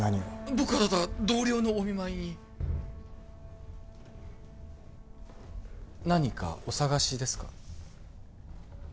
僕はただ同僚のお見舞いに何かお探しですか？